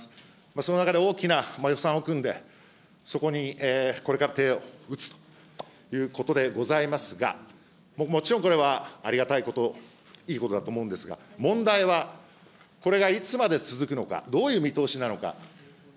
その中で大きな予算を組んで、そこにこれから手を打つということでございますが、もちろんこれはありがたいこと、いいことだと思うんですが、問題はこれがいつまで続くのか、どういう見通しなのか。